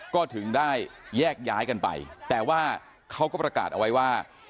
ก็ถึงได้แยกย้ายกันไปแต่ว่าเขาก็ประกาศเอาไว้ว่า